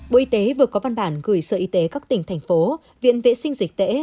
bộ y tế vừa có văn bản gửi sở y tế các tỉnh thành phố viện vệ sinh dịch tễ